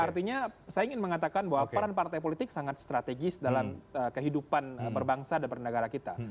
artinya saya ingin mengatakan bahwa peran partai politik sangat strategis dalam kehidupan berbangsa dan bernegara kita